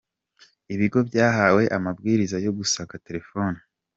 Ibigo byahawe amabwiriza yo gusaka telefoni.